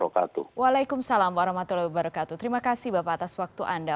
waalaikumsalam wr wb terima kasih bapak atas waktu anda